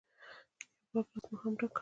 یو بل ګیلاس مو هم ډک کړ.